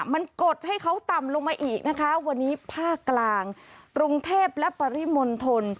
มันกดให้เขาต่ำลงมาอีกนะคะวันนี้ภาคกลางกรุงเทพและปริมณฑล